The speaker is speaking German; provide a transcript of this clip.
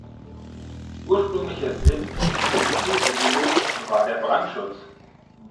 Ursprünglicher Sinn des Friesengiebels war der Brandschutz.